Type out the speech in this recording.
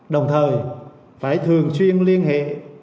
đồng thời phải thường xuyên liên hệ